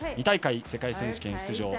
２大会世界選手権出場